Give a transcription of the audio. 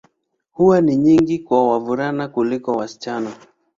Huwa ni nyingi kwa wavulana kuliko wasichana.